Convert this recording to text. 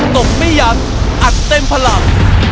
ตบไม่ยั้งอัดเต็มพลัง